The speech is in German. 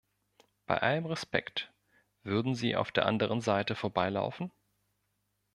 Bei allem Respekt, würden Sie auf der anderen Seite vorbeilaufen?